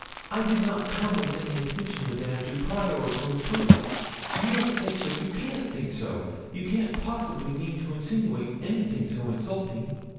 'I did not come with any intention, Madame, to pry or to intrude you don't think so you can't think so you can't possibly mean to insinuate anything so insulting!'